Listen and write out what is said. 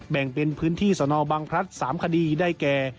แบ่งเป็นพื้นที่สนบังพลัด๓คดีได้แก่